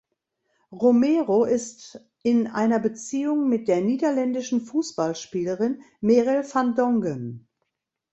Romero ist in einer Beziehung mit der niederländischen Fußballspielerin Merel van Dongen.